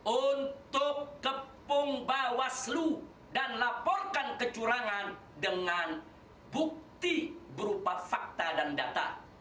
untuk kepung bawaslu dan laporkan kecurangan dengan bukti berupa fakta dan data